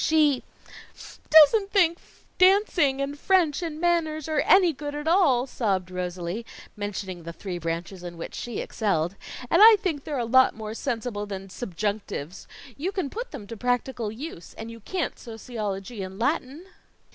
She " "Doesn't think dancing and French and manners are any good at all," sobbed Rosalie, mentioning the three branches in which she excelled, "and I think they're a lot more sensible than subjunctives. You can put them to practical use, and you can't sociology and Latin."